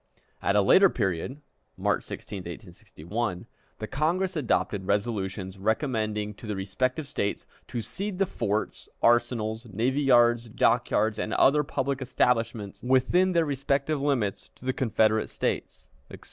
At a later period (March 16, 1861) the Congress adopted resolutions recommending to the respective States to "cede the forts, arsenals, navy yards, dock yards, and other public establishments within their respective limits to the Confederate States," etc.